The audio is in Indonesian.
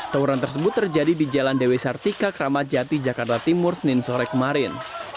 tawuran tersebut terjadi di jalan dewi sartika kramat jati jakarta timur senin sore kemarin